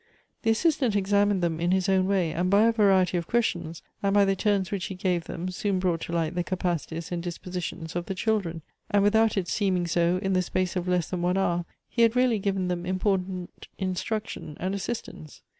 The Assistant examined them in his own way, and by a variety of questions, and by the turns which he gave them, soon brought to light the capacities and disposi tions of the children ; and without its seeming so, in the space of less than one hour he had really given them important instruction and assistance.